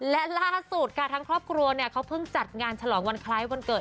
และล่าสุดค่ะทั้งครอบครัวเนี่ยเขาเพิ่งจัดงานฉลองวันคล้ายวันเกิด